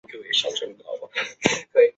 该物种的模式产地在琉球群岛。